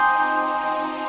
terima kasih buatoremu